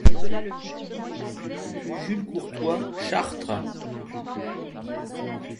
Rue Jules Courtois, Chartres